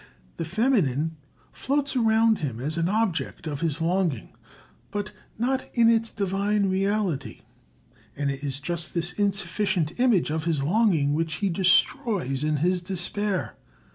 The 'feminine' floats around him as an object of his longing, but not in its divine reality; and it is just this insufficient image of his longing which he destroys in his despair.